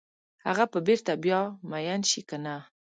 هغه به بیرته بیا میین شي کنه؟